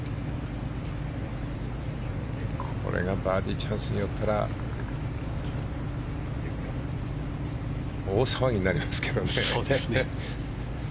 これがバーディーチャンスに寄ったら大騒ぎになりますけどね。